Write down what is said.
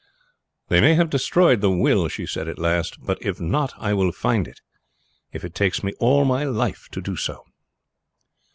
"They may have destroyed the will," she said at last; "but if not I will find it, if it takes me all my life to do so."